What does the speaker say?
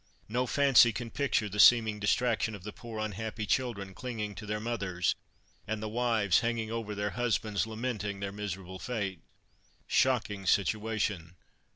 No fancy can picture the seeming distraction of the poor unhappy children clinging to their mothers, and the wives hanging over their husbands, lamenting their miserable fate: Shocking situation!